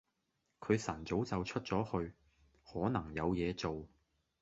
佢晨早就出咗去，可能有嘢做